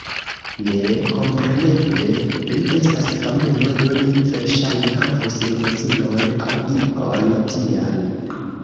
Ne... kompreneble, li estas famulo do li verŝajne havus limozinon aŭ ion tian